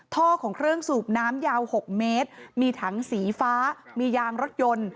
ท่อของเครื่องสูบน้ำยาว๖เมตรมีถังสีฟ้ามียางรถยนต์